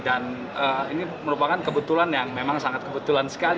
dan ini merupakan kebetulan yang memang sangat kebetulan sekali